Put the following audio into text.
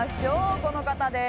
この方です。